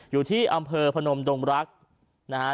อยู่ที่อำเภอพนมดงรักนะฮะ